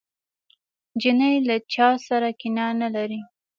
نجلۍ له چا سره کینه نه لري.